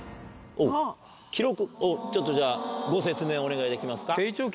ちょっとじゃあご説明お願いできますか。